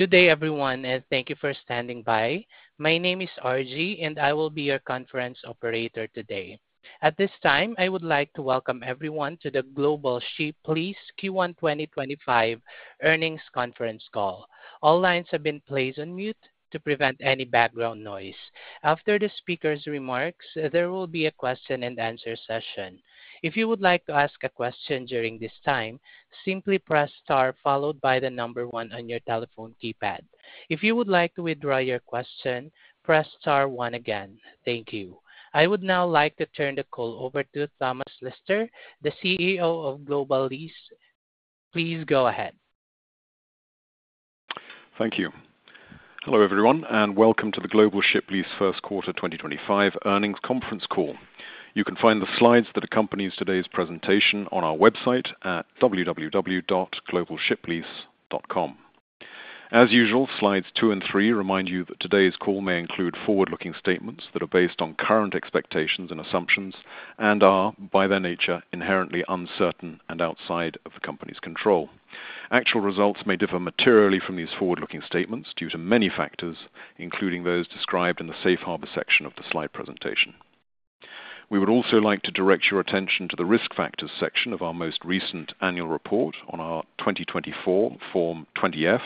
Good day, everyone, and thank you for standing by. My name is RG, and I will be your conference operator today. At this time, I would like to welcome everyone to the Global Ship Lease Q1 2025 earnings conference call. All lines have been placed on mute to prevent any background noise. After the speaker's remarks, there will be a question and answer session. If you would like to ask a question during this time, simply press star followed by the number one on your telephone keypad. If you would like to withdraw your question, press star again. Thank you. I would now like to turn the call over to Thomas Lister, the CEO of Global Ship Lease. Please go ahead. Thank you. Hello, everyone, and welcome to the Global Ship Lease First Quarter 2025 earnings conference call. You can find the slides that accompany today's presentation on our website at www.globalshiplease.com. As usual, slides two and three remind you that today's call may include forward-looking statements that are based on current expectations and assumptions and are, by their nature, inherently uncertain and outside of the company's control. Actual results may differ materially from these forward-looking statements due to many factors, including those described in the Safe Harbor section of the slide presentation. We would also like to direct your attention to the risk factors section of our most recent annual report on our 2024 Form 20-F,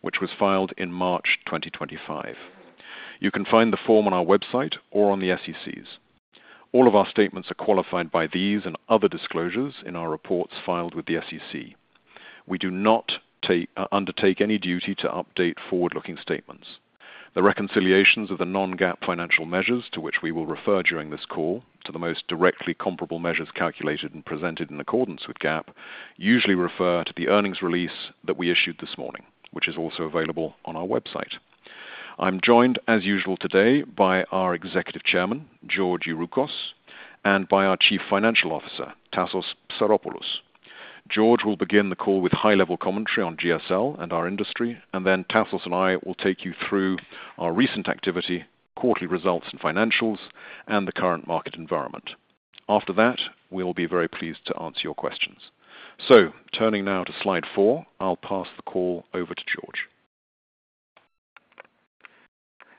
which was filed in March 2025. You can find the form on our website or on the SEC's.All of our statements are qualified by these and other disclosures in our reports filed with the SEC. We do not undertake any duty to update forward-looking statements. The reconciliations of the non-GAAP financial measures to which we will refer during this call to the most directly comparable measures calculated and presented in accordance with GAAP usually refer to the earnings release that we issued this morning, which is also available on our website. I'm joined, as usual, today by our Executive Chairman, Georgios Youroukos, and by our Chief Financial Officer, Tassos Psaropoulos. Georgios will begin the call with high-level commentary on GSL and our industry, and then Tassos and I will take you through our recent activity, quarterly results and financials, and the current market environment. After that, we'll be very pleased to answer your questions. Turning now to slide four, I'll pass the call over to Georgios.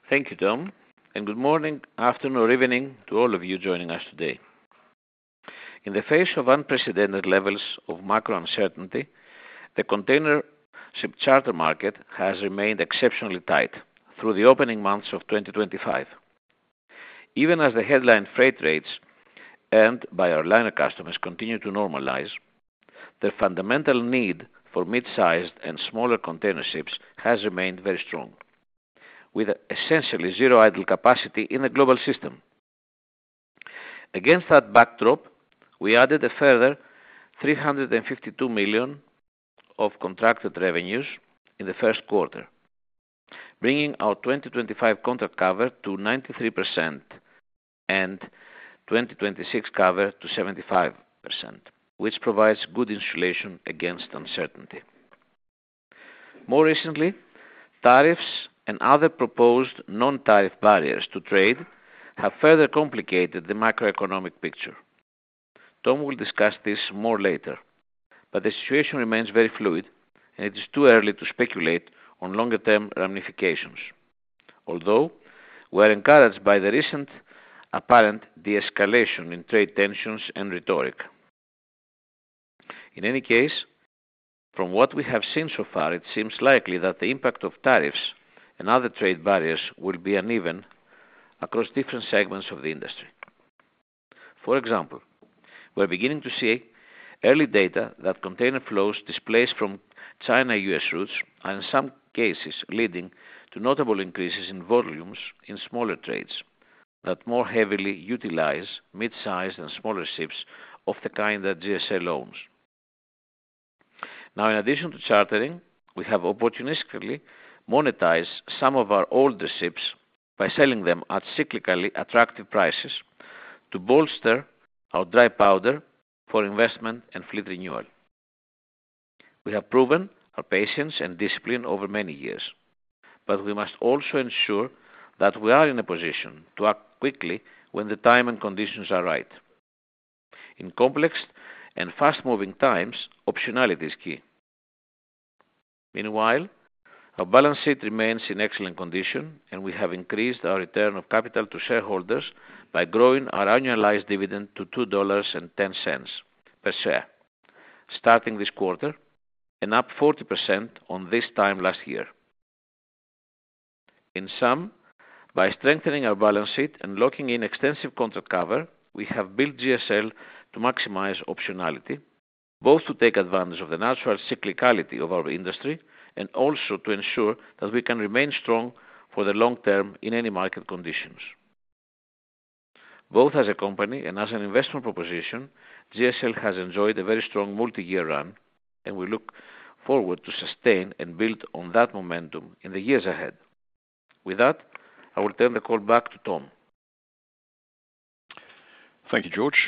Thank you, Tom, and good morning, afternoon, or evening to all of you joining us today. In the face of unprecedented levels of macro uncertainty, the container ship charter market has remained exceptionally tight through the opening months of 2025. Even as the headline freight rates and, by our liner customers, continue to normalize, the fundamental need for mid-sized and smaller container ships has remained very strong, with essentially zero idle capacity in the global system. Against that backdrop, we added a further $352 million of contracted revenues in the first quarter, bringing our 2025 contract cover to 93% and 2026 cover to 75%, which provides good insulation against uncertainty. More recently, tariffs and other proposed non-tariff barriers to trade have further complicated the macroeconomic picture. Tom will discuss this more later, but the situation remains very fluid, and it is too early to speculate on longer-term ramifications, although we are encouraged by the recent apparent de-escalation in trade tensions and rhetoric. In any case, from what we have seen so far, it seems likely that the impact of tariffs and other trade barriers will be uneven across different segments of the industry. For example, we're beginning to see early data that container flows displaced from China-U.S. routes, and in some cases, leading to notable increases in volumes in smaller trades that more heavily utilize mid-sized and smaller ships of the kind that GSL owns. Now, in addition to chartering, we have opportunistically monetized some of our older ships by selling them at cyclically attractive prices to bolster our dry powder for investment and fleet renewal. We have proven our patience and discipline over many years, but we must also ensure that we are in a position to act quickly when the time and conditions are right. In complex and fast-moving times, optionality is key. Meanwhile, our balance sheet remains in excellent condition, and we have increased our return of capital to shareholders by growing our annualized dividend to $2.10 per share, starting this quarter and up 40% on this time last year. In sum, by strengthening our balance sheet and locking in extensive contract cover, we have built Global Ship Lease to maximize optionality, both to take advantage of the natural cyclicality of our industry and also to ensure that we can remain strong for the long term in any market conditions. Both as a company and as an investment proposition, GSL has enjoyed a very strong multi-year run, and we look forward to sustain and build on that momentum in the years ahead. With that, I will turn the call back to Tom. Thank you, Georgios.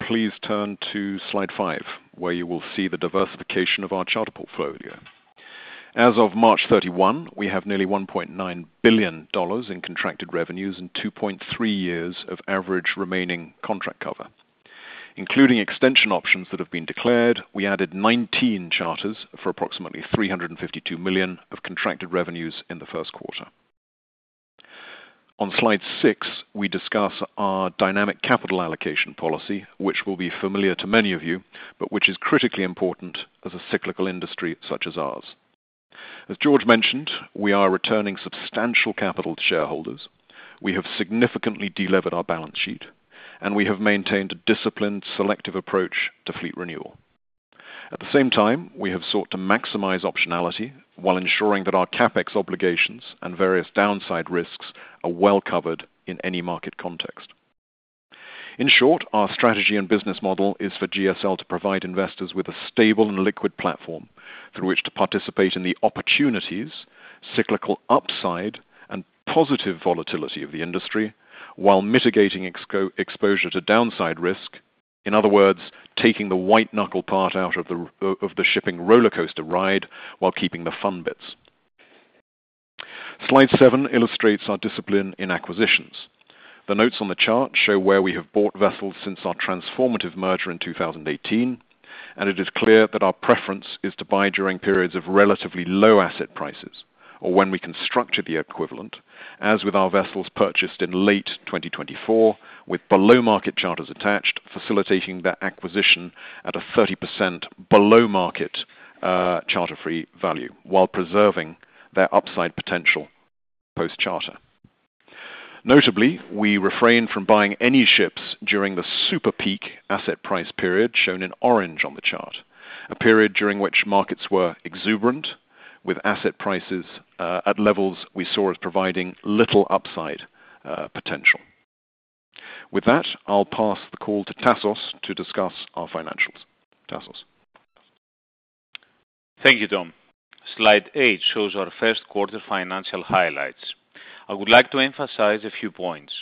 Please turn to slide five, where you will see the diversification of our charter portfolio. As of March 31, we have nearly $1.9 billion in contracted revenues and 2.3 years of average remaining contract cover. Including extension options that have been declared, we added 19 charters for approximately $352 million of contracted revenues in the first quarter. On slide six, we discuss our dynamic capital allocation policy, which will be familiar to many of you, but which is critically important as a cyclical industry such as ours. As Georgios mentioned, we are returning substantial capital to shareholders. We have significantly deleveraged our balance sheet, and we have maintained a disciplined, selective approach to fleet renewal. At the same time, we have sought to maximize optionality while ensuring that our CapEx obligations and various downside risks are well covered in any market context. In short, our strategy and business model is for GSL to provide investors with a stable and liquid platform through which to participate in the opportunities, cyclical upside, and positive volatility of the industry while mitigating exposure to downside risk. In other words, taking the white-knuckle part out of the shipping roller coaster ride while keeping the fun bits. Slide seven illustrates our discipline in acquisitions. The notes on the chart show where we have bought vessels since our transformative merger in 2018, and it is clear that our preference is to buy during periods of relatively low asset prices or when we can structure the equivalent, as with our vessels purchased in late 2024 with below-market charters attached, facilitating their acquisition at a 30% below-market charter-free value while preserving their upside potential post-charter. Notably, we refrain from buying any ships during the super peak asset price period shown in orange on the chart, a period during which markets were exuberant with asset prices at levels we saw as providing little upside potential. With that, I'll pass the call to Tassos to discuss our financials. Tassos. Thank you, Tom. Slide eight shows our first quarter financial highlights. I would like to emphasize a few points.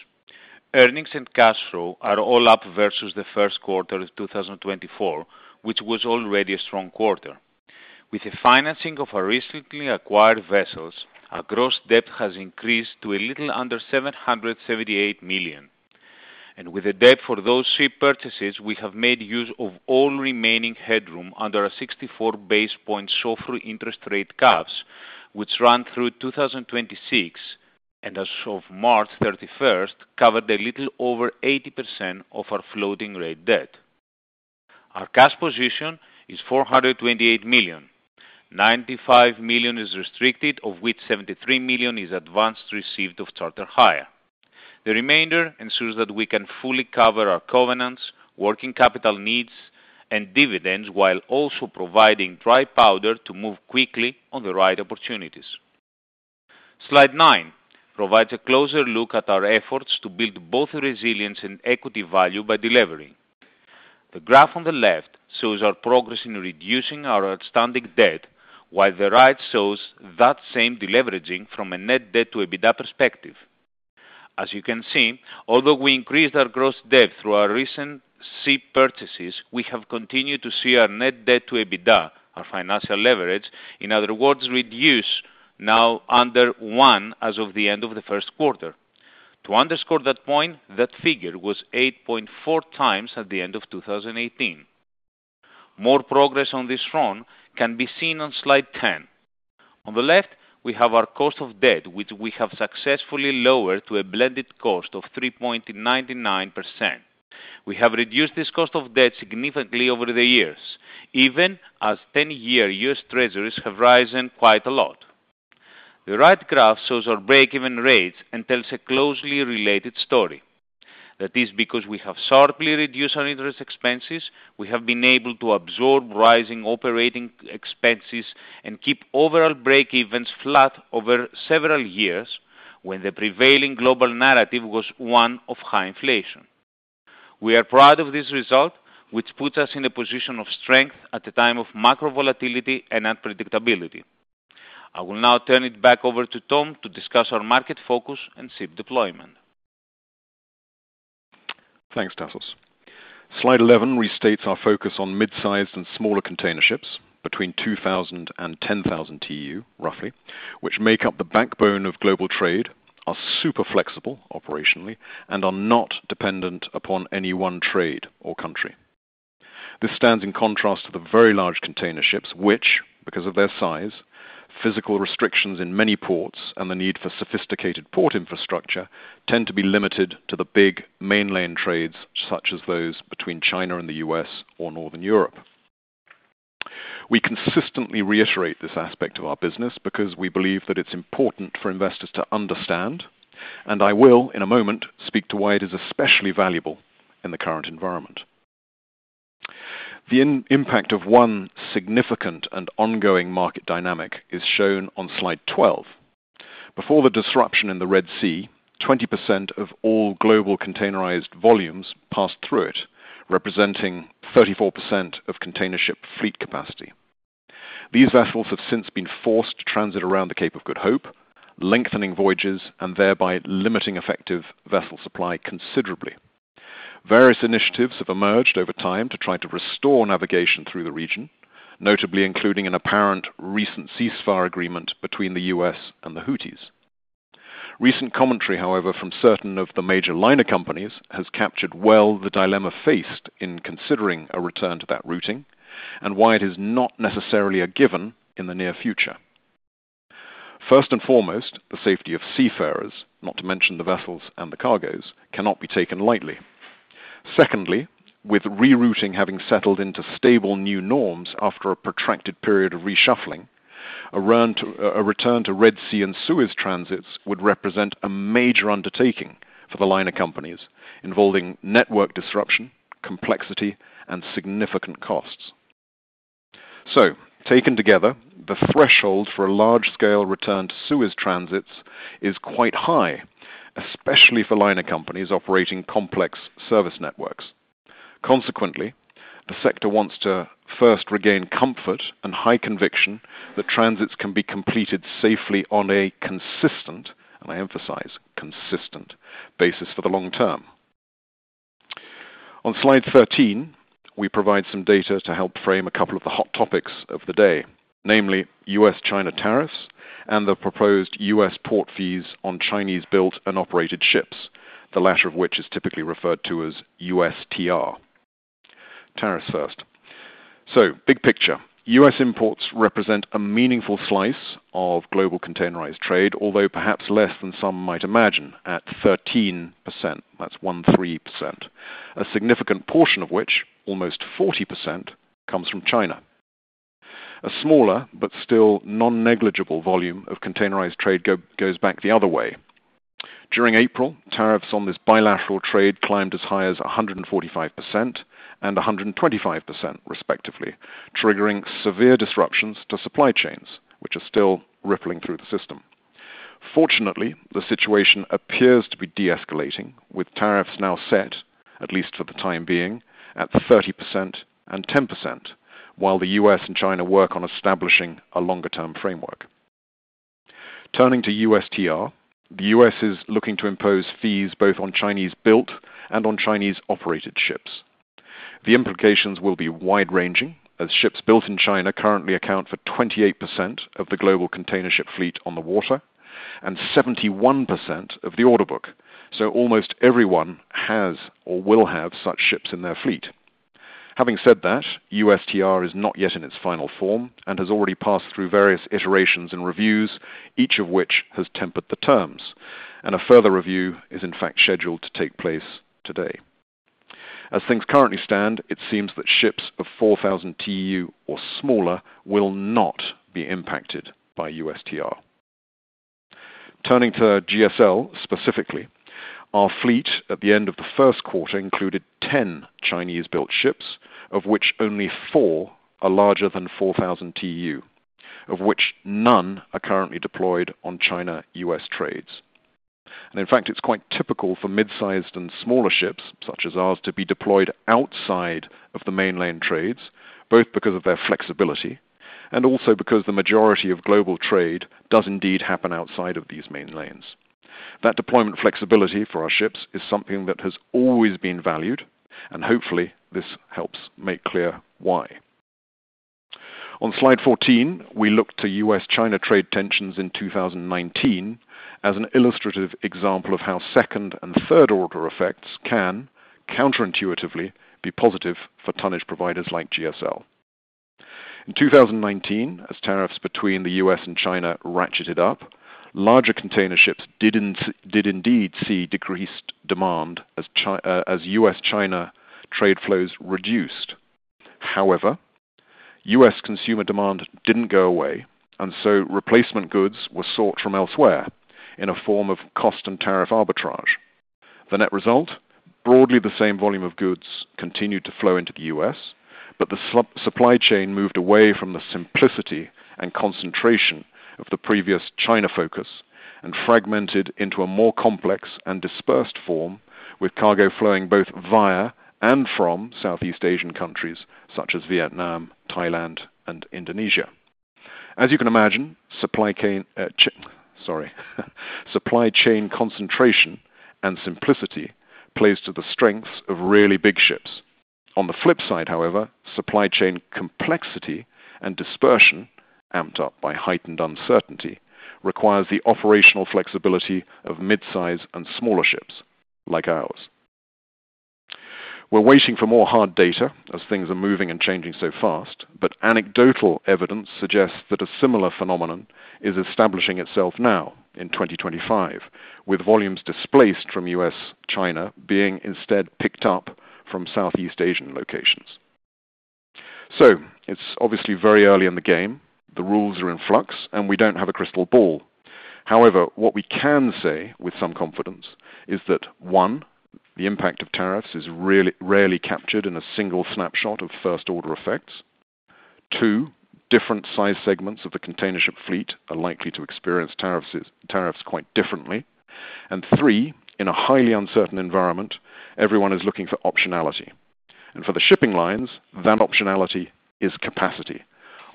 Earnings and cash flow are all up versus the first quarter of 2024, which was already a strong quarter. With the financing of our recently acquired vessels, our gross debt has increased to a little under $778 million. With the debt for those three purchases, we have made use of all remaining headroom under a 64 basis point software interest rate caps, which run through 2026 and, as of March 31, covered a little over 80% of our floating rate debt. Our cash position is $428 million. $95 million is restricted, of which $73 million is advance received of charter hire. The remainder ensures that we can fully cover our covenants, working capital needs, and dividends while also providing dry powder to move quickly on the right opportunities. Slide nine provides a closer look at our efforts to build both resilience and equity value by delivering. The graph on the left shows our progress in reducing our outstanding debt, while the right shows that same deleveraging from a net debt to EBITDA perspective. As you can see, although we increased our gross debt through our recent vessel purchases, we have continued to see our net debt to EBITDA, our financial leverage, in other words, reduce now under one as of the end of the first quarter. To underscore that point, that figure was 8.4 times at the end of 2018. More progress on this front can be seen on slide ten. On the left, we have our cost of debt, which we have successfully lowered to a blended cost of 3.99%. We have reduced this cost of debt significantly over the years, even as 10-year U.S. treasuries have risen quite a lot. The right graph shows our break-even rates and tells a closely related story. That is because we have sharply reduced our interest expenses, we have been able to absorb rising operating expenses, and keep overall break-evens flat over several years when the prevailing global narrative was one of high inflation. We are proud of this result, which puts us in a position of strength at a time of macro volatility and unpredictability. I will now turn it back over to Tom to discuss our market focus and seed deployment. Thanks, Tassos. Slide 11 restates our focus on mid-sized and smaller container ships between 2,000 and 10,000 TEU, roughly, which make up the backbone of global trade, are super flexible operationally, and are not dependent upon any one trade or country. This stands in contrast to the very large container ships which, because of their size, physical restrictions in many ports and the need for sophisticated port infrastructure, tend to be limited to the big mainland trades such as those between China and the U.S. or Northern Europe. We consistently reiterate this aspect of our business because we believe that it's important for investors to understand, and I will, in a moment, speak to why it is especially valuable in the current environment. The impact of one significant and ongoing market dynamic is shown on slide 12. Before the disruption in the Red Sea, 20% of all global containerized volumes passed through it, representing 34% of container ship fleet capacity. These vessels have since been forced to transit around the Cape of Good Hope, lengthening voyages and thereby limiting effective vessel supply considerably. Various initiatives have emerged over time to try to restore navigation through the region, notably including an apparent recent ceasefire agreement between the U.S. and the Houthis. Recent commentary, however, from certain of the major liner companies has captured well the dilemma faced in considering a return to that routing and why it is not necessarily a given in the near future. First and foremost, the safety of seafarers, not to mention the vessels and the cargoes, cannot be taken lightly. Secondly, with rerouting having settled into stable new norms after a protracted period of reshuffling, a return to Red Sea and Suez transits would represent a major undertaking for the liner companies, involving network disruption, complexity, and significant costs. Taken together, the threshold for a large-scale return to Suez transits is quite high, especially for liner companies operating complex service networks. Consequently, the sector wants to first regain comfort and high conviction that transits can be completed safely on a consistent, and I emphasize, consistent, basis for the long term. On slide 13, we provide some data to help frame a couple of the hot topics of the day, namely US-China tariffs and the proposed US port fees on Chinese-built and operated ships, the latter of which is typically referred to as USTR. Tariffs first. Big picture, U.S. imports represent a meaningful slice of global containerized trade, although perhaps less than some might imagine, at 13%. That's 13%. A significant portion of which, almost 40%, comes from China. A smaller, but still non-negligible volume of containerized trade goes back the other way. During April, tariffs on this bilateral trade climbed as high as 145% and 125%, respectively, triggering severe disruptions to supply chains, which are still rippling through the system. Fortunately, the situation appears to be de-escalating, with tariffs now set, at least for the time being, at 30% and 10%, while the U.S. and China work on establishing a longer-term framework. Turning to USTR, the U.S. is looking to impose fees both on Chinese-built and on Chinese-operated ships. The implications will be wide-ranging, as ships built in China currently account for 28% of the global container ship fleet on the water and 71% of the order book. So, almost everyone has or will have such ships in their fleet. Having said that, USTR is not yet in its final form and has already passed through various iterations and reviews, each of which has tempered the terms, and a further review is, in fact, scheduled to take place today. As things currently stand, it seems that ships of 4,000 TEU or smaller will not be impacted by USTR. Turning to GSL specifically, our fleet at the end of the first quarter included 10 Chinese-built ships, of which only four are larger than 4,000 TEU, of which none are currently deployed on China-US trades. In fact, it is quite typical for mid-sized and smaller ships such as ours to be deployed outside of the mainland trades, both because of their flexibility and also because the majority of global trade does indeed happen outside of these mainlands. That deployment flexibility for our ships is something that has always been valued, and hopefully, this helps make clear why. On slide 14, we look to U.S.-China trade tensions in 2019 as an illustrative example of how second and third-order effects can, counterintuitively, be positive for tonnage providers like GSL. In 2019, as tariffs between the U.S. and China ratcheted up, larger container ships did indeed see decreased demand as U.S.-China trade flows reduced. However, U.S. consumer demand did not go away, and so replacement goods were sought from elsewhere in a form of cost and tariff arbitrage. The net result? Broadly, the same volume of goods continued to flow into the U.S., but the supply chain moved away from the simplicity and concentration of the previous China focus and fragmented into a more complex and dispersed form, with cargo flowing both via and from Southeast Asian countries such as Vietnam, Thailand, and Indonesia. As you can imagine, supply chain concentration and simplicity plays to the strengths of really big ships. On the flip side, however, supply chain complexity and dispersion, amped up by heightened uncertainty, requires the operational flexibility of mid-sized and smaller ships like ours. We're waiting for more hard data as things are moving and changing so fast, but anecdotal evidence suggests that a similar phenomenon is establishing itself now in 2025, with volumes displaced from U.S.-China being instead picked up from Southeast Asian locations. It is obviously very early in the game. The rules are in flux, and we don't have a crystal ball. However, what we can say with some confidence is that, one, the impact of tariffs is rarely captured in a single snapshot of first-order effects. Two, different size segments of the container ship fleet are likely to experience tariffs quite differently. Three, in a highly uncertain environment, everyone is looking for optionality. For the shipping lines, that optionality is capacity,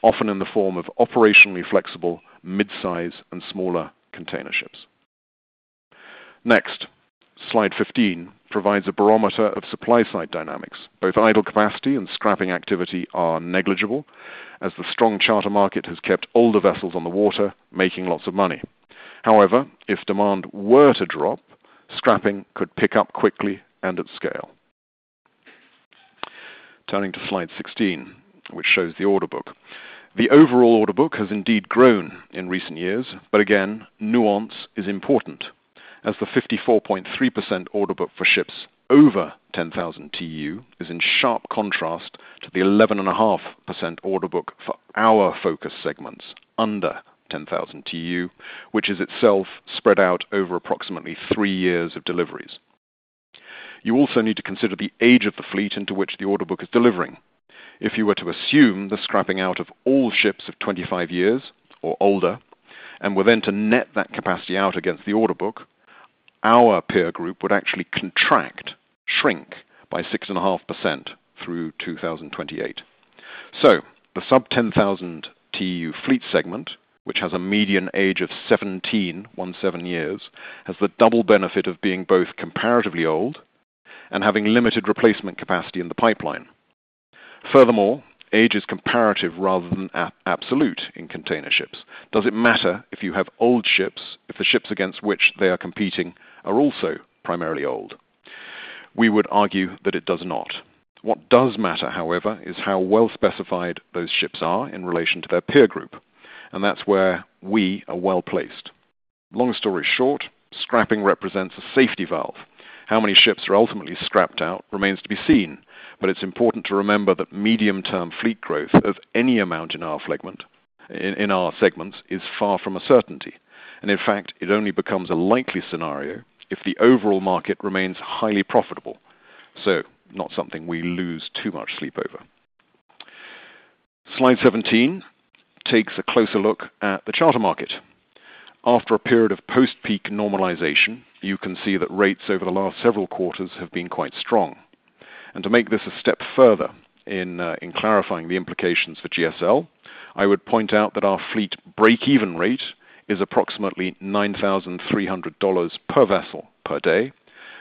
often in the form of operationally flexible mid-sized and smaller container ships. Next, slide 15 provides a barometer of supply-side dynamics. Both idle capacity and scrapping activity are negligible, as the strong charter market has kept all the vessels on the water, making lots of money. However, if demand were to drop, scrapping could pick up quickly and at scale. Turning to slide 16, which shows the order book. The overall order book has indeed grown in recent years, but again, nuance is important, as the 54.3% order book for ships over 10,000 TEU is in sharp contrast to the 11.5% order book for our focus segments under 10,000 TEU, which is itself spread out over approximately three years of deliveries. You also need to consider the age of the fleet into which the order book is delivering. If you were to assume the scrapping out of all ships of 25 years or older, and were then to net that capacity out against the order book, our peer group would actually contract, shrink by 6.5% through 2028. The sub-10,000 TEU fleet segment, which has a median age of 17, one seven years, has the double benefit of being both comparatively old and having limited replacement capacity in the pipeline. Furthermore, age is comparative rather than absolute in container ships. Does it matter if you have old ships if the ships against which they are competing are also primarily old? We would argue that it does not. What does matter, however, is how well specified those ships are in relation to their peer group, and that's where we are well placed. Long story short, scrapping represents a safety valve. How many ships are ultimately scrapped out remains to be seen, but it's important to remember that medium-term fleet growth of any amount in our segments is far from a certainty. In fact, it only becomes a likely scenario if the overall market remains highly profitable. Not something we lose too much sleep over. Slide 17 takes a closer look at the charter market. After a period of post-peak normalization, you can see that rates over the last several quarters have been quite strong. To make this a step further in clarifying the implications for GSL, I would point out that our fleet break-even rate is approximately $9,300 per vessel per day,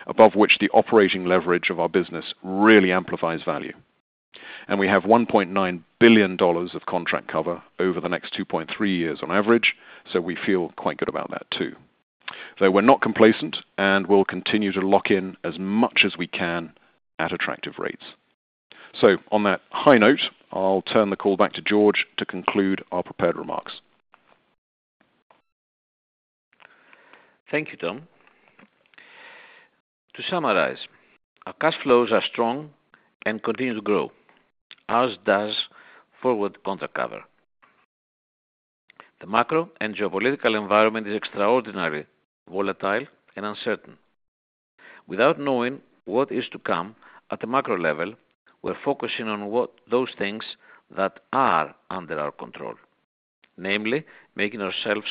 above which the operating leverage of our business really amplifies value. We have $1.9 billion of contract cover over the next 2.3 years on average, so we feel quite good about that too. We're not complacent, and we'll continue to lock in as much as we can at attractive rates. On that high note, I'll turn the call back to George to conclude our prepared remarks. Thank you, Tom. To summarize, our cash flows are strong and continue to grow, as does forward contract cover. The macro and geopolitical environment is extraordinarily volatile and uncertain. Without knowing what is to come at the macro level, we're focusing on those things that are under our control, namely making ourselves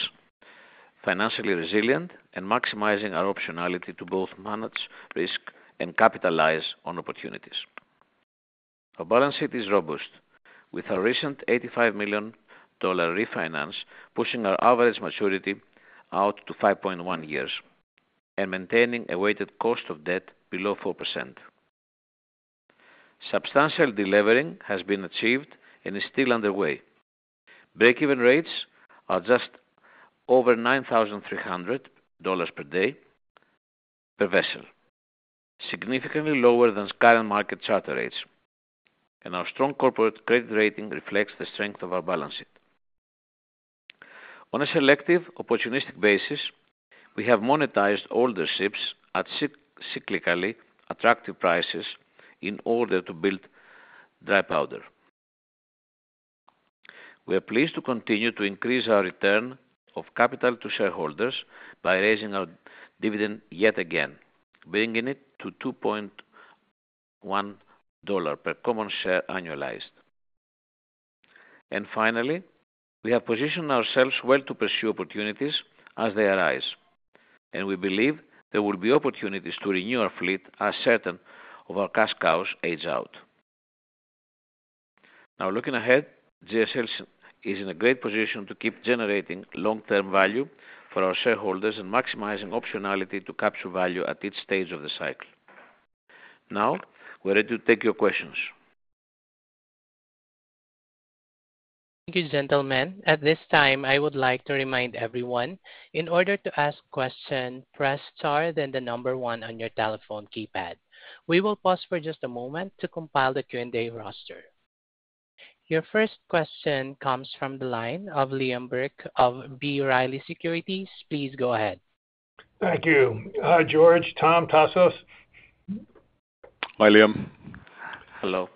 financially resilient and maximizing our optionality to both manage risk and capitalize on opportunities. Our balance sheet is robust, with our recent $85 million refinance pushing our average maturity out to 5.1 years and maintaining a weighted cost of debt below four percent. Substantial deleveraging has been achieved and is still underway. Break-even rates are just over $9,300 per day per vessel, significantly lower than current market charter rates, and our strong corporate credit rating reflects the strength of our balance sheet. On a selective, opportunistic basis, we have monetized older ships at cyclically attractive prices in order to build dry powder. We are pleased to continue to increase our return of capital to shareholders by raising our dividend yet again, bringing it to $2.1 per common share annualized. Finally, we have positioned ourselves well to pursue opportunities as they arise, and we believe there will be opportunities to renew our fleet as certain of our cash cows age out. Now, looking ahead, GSL is in a great position to keep generating long-term value for our shareholders and maximizing optionality to capture value at each stage of the cycle. Now, we're ready to take your questions. Thank you, gentlemen. At this time, I would like to remind everyone, in order to ask questions, press star then the number one on your telephone keypad. We will pause for just a moment to compile the Q&A roster. Your first question comes from the line of Liam Burke of B. Riley Securities. Please go ahead. Thank you. George, Tom, Tassos? Hi, Liam. Hello.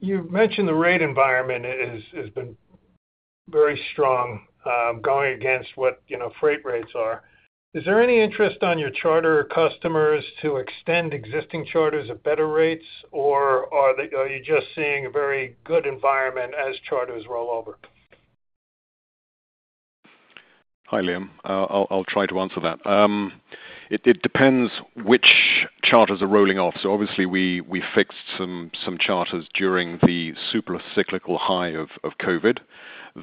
You've mentioned the rate environment has been very strong going against what freight rates are. Is there any interest on your charter customers to extend existing charters at better rates, or are you just seeing a very good environment as charters roll over? Hi, Liam. I'll try to answer that. It depends which charters are rolling off. Obviously, we fixed some charters during the super cyclical high of COVID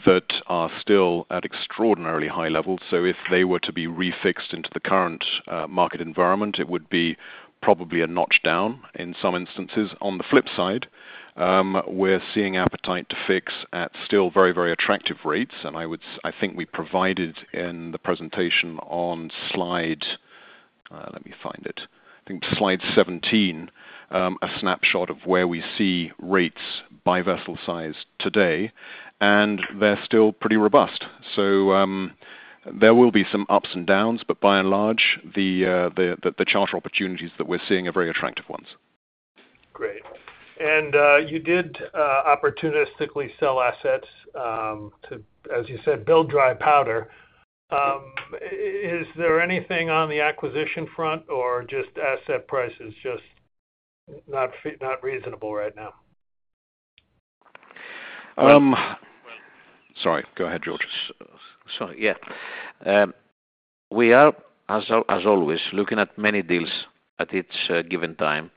that are still at extraordinarily high levels. If they were to be refixed into the current market environment, it would be probably a notch down in some instances. On the flip side, we're seeing appetite to fix at still very, very attractive rates. I think we provided in the presentation on slide—let me find it—I think slide 17, a snapshot of where we see rates by vessel size today, and they're still pretty robust. There will be some ups and downs, but by and large, the charter opportunities that we're seeing are very attractive ones. Great. You did opportunistically sell assets to, as you said, build dry powder. Is there anything on the acquisition front or just asset prices just not reasonable right now? Sorry. Go ahead, George.Sorry. Yeah. We are, as always, looking at many deals at each given time,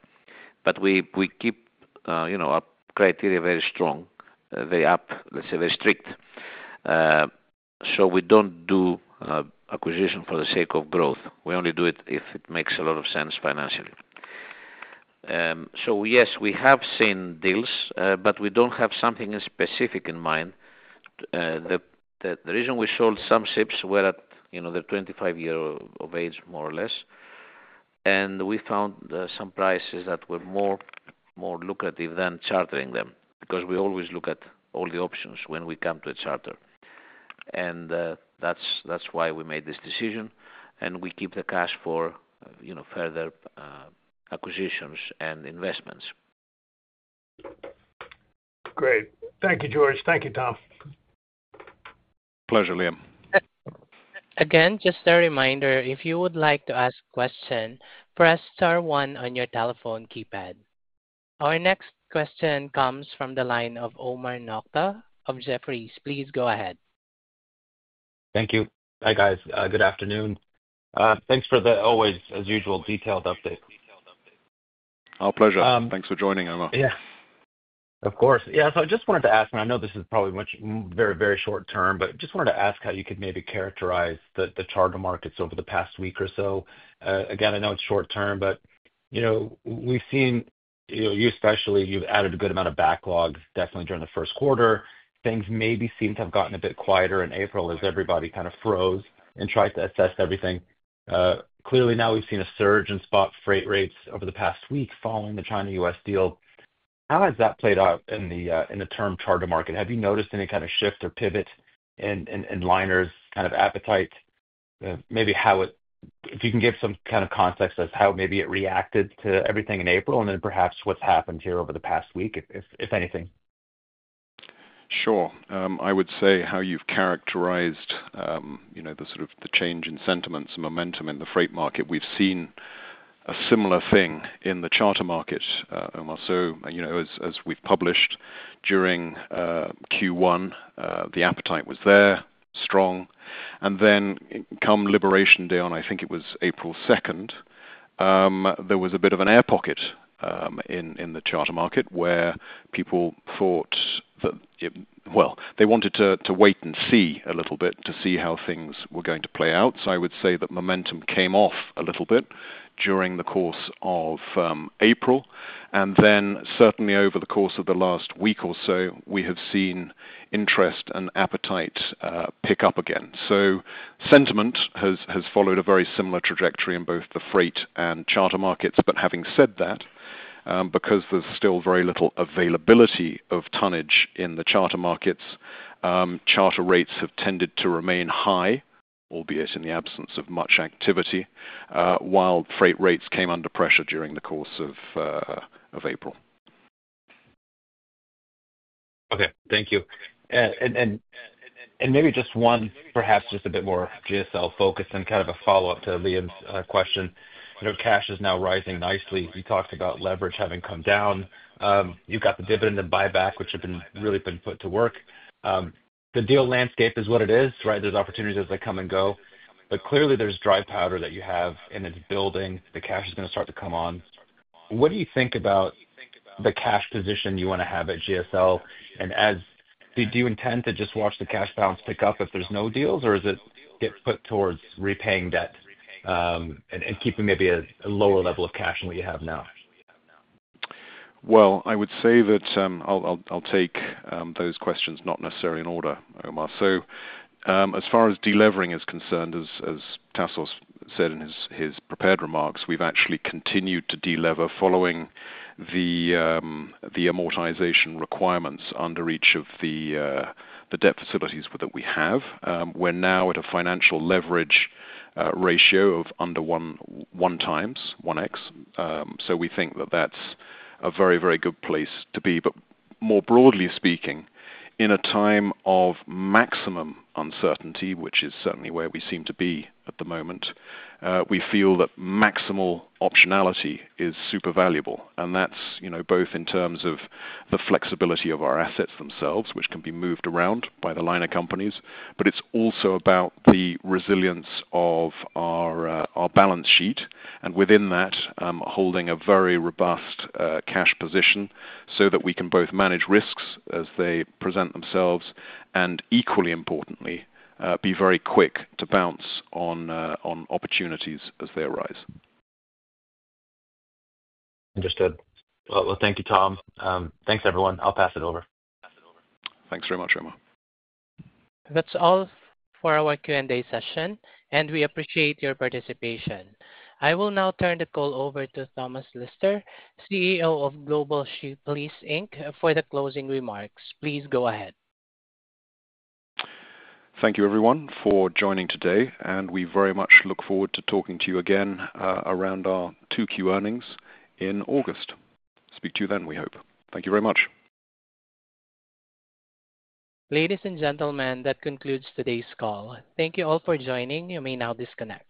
but we keep our criteria very strong, very up, let's say, very strict. We do not do acquisition for the sake of growth. We only do it if it makes a lot of sense financially. Yes, we have seen deals, but we do not have something specific in mind. The reason we sold some ships were at their 25-year-old age, more or less, and we found some prices that were more lucrative than chartering them because we always look at all the options when we come to a charter. That is why we made this decision, and we keep the cash for further acquisitions and investments. Great. Thank you, George. Thank you, Tom. Pleasure, Liam. Again, just a reminder, if you would like to ask a question, press star one on your telephone keypad. Our next question comes from the line of Omar Nokta of Jefferies. Please go ahead. Thank you. Hi, guys. Good afternoon. Thanks for the, always, as usual, detailed update. Our pleasure. Thanks for joining. Yeah. Of course. Yeah. So, I just wanted to ask, and I know this is probably very, very short term, but I just wanted to ask how you could maybe characterize the charter markets over the past week or so. Again, I know it's short term, but we've seen you, especially, you've added a good amount of backlog, definitely during the first quarter. Things maybe seem to have gotten a bit quieter in April as everybody kind of froze and tried to assess everything. Clearly, now we've seen a surge in spot freight rates over the past week following the China-US deal. How has that played out in the term charter market? Have you noticed any kind of shift or pivot in liners' kind of appetite? Maybe if you can give some kind of context as how maybe it reacted to everything in April and then perhaps what's happened here over the past week, if anything. Sure. I would say how you've characterized the sort of change in sentiments and momentum in the freight market. We've seen a similar thing in the charter market, Omar, so as we've published during Q1, the appetite was there, strong. Then come liberation day on, I think it was April 2, there was a bit of an air pocket in the charter market where people thought that, well, they wanted to wait and see a little bit to see how things were going to play out. I would say that momentum came off a little bit during the course of April. Certainly over the course of the last week or so, we have seen interest and appetite pick up again. Sentiment has followed a very similar trajectory in both the freight and charter markets. Having said that, because there's still very little availability of tonnage in the charter markets, charter rates have tended to remain high, albeit in the absence of much activity, while freight rates came under pressure during the course of April. Okay. Thank you. Maybe just one, perhaps just a bit more GSL focused and kind of a follow-up to Liam's question. Cash is now rising nicely. You talked about leverage having come down. You've got the dividend and buyback, which have really been put to work. The deal landscape is what it is, right? There's opportunities as they come and go. Clearly, there's dry powder that you have, and it's building. The cash is going to start to come on. What do you think about the cash position you want to have at GSL? Do you intend to just watch the cash balance pick up if there's no deals, or is it get put towards repaying debt and keeping maybe a lower level of cash than what you have now? I would say that I'll take those questions not necessarily in order, Omar. As far as deleveraging is concerned, as Tassos said in his prepared remarks, we've actually continued to deleverage following the amortization requirements under each of the debt facilities that we have. We're now at a financial leverage ratio of under one times, one times. We think that that's a very, very good place to be. More broadly speaking, in a time of maximum uncertainty, which is certainly where we seem to be at the moment, we feel that maximal optionality is super valuable. That's both in terms of the flexibility of our assets themselves, which can be moved around by the liner companies, but it's also about the resilience of our balance sheet. Within that, holding a very robust cash position so that we can both manage risks as they present themselves and, equally importantly, be very quick to bounce on opportunities as they arise. Understood. Thank you, Tom. Thanks, everyone. I'll pass it over. Thanks very much, Omar. That's all for our Q&A session, and we appreciate your participation. I will now turn the call over to Thomas Lister, CEO of Global Ship Lease, for the closing remarks. Please go ahead. Thank you, everyone, for joining today. We very much look forward to talking to you again around our 2Q earnings in August. Speak to you then, we hope. Thank you very much. Ladies and gentlemen, that concludes today's call. Thank you all for joining. You may now disconnect.